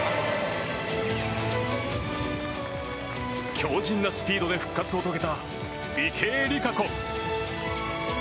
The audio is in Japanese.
強靭なスピードで復活を遂げた池江璃花子。